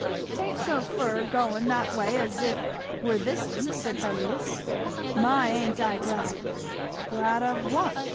"'Tain't so fur going that way as it were this'n," said Philetus. "My! ain't I glad." "Glad of what?"